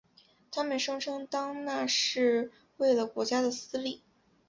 他们声称当那是为了国家的私利。